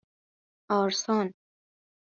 آرسان